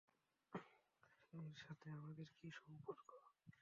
এর সাথে আমাদের কী সম্পর্ক?